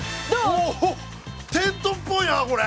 テントっぽいなこれ！